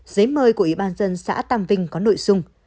giấy mời của ủy ban dân xã tàm vinh và tờ tiền hai đồng